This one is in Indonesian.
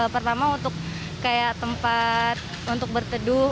pertama untuk tempat berteduh